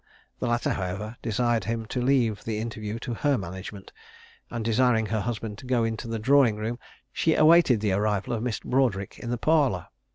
The latter, however, desired him to leave the interview to her management, and desiring her husband to go into the drawing room, she awaited the arrival of Miss Broadric in the parlour.